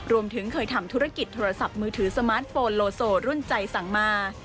รวมถึงเคยทำธุรกิจโทรศัพท์มือถือสมาร์ทโฟนโลโซรุ่นใจสั่งมา